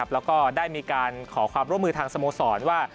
แล้วก็ได้มีการขอความร่วมมือทางสโมสรว่า